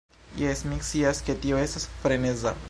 Jes, mi scias ke tio estas freneza